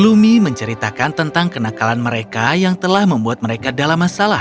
lumi menceritakan tentang kenakalan mereka yang telah membuat mereka dalam masalah